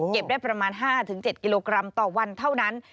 ได้ประมาณ๕๗กิโลกรัมต่อวันเท่านั้น